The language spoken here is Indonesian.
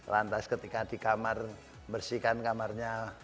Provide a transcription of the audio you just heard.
lantas ketika di kamar bersihkan kamarnya